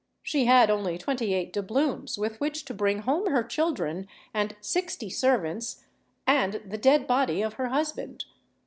She had only twenty eight doubloons with which to bring home her children, and sixty servants, and the dead body of her husband.